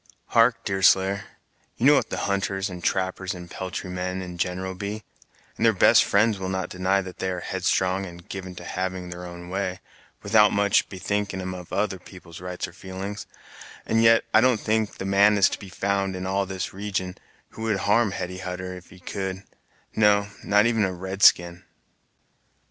"Hark, Deerslayer, you know what the hunters, and trappers, and peltry men in general be; and their best friends will not deny that they are headstrong and given to having their own way, without much bethinking 'em of other people's rights or feelin's, and yet I don't think the man is to be found, in all this region, who would harm Hetty Hutter, if he could; no, not even a red skin."